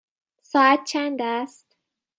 ساعت چند است؟